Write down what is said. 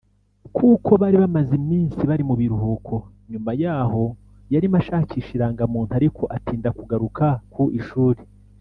Kuko bari bamaze iminsi bari mu biruhuko nyuma y’aho yarimo ashakisha irangamuntu ariko atinda kugaruka ku ishuri